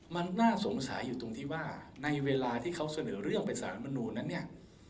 มันน่าสงสัยอยู่ตรงที่ว่าในเวลาที่เขาเสนอเรื่องไปสารมนูลนั้นเนี่ย